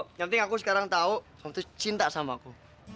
yang penting aku sekarang tahu kamu tuh cinta sama aku